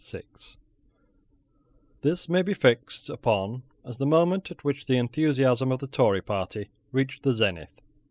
This may be fixed upon as the moment at which the enthusiasm of the Tory party reached the zenith.